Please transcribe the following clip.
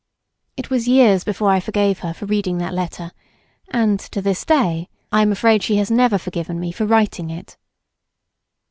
It was years before I forgave her for reading that letter, and to this day I am afraid she has never forgiven me for writing it.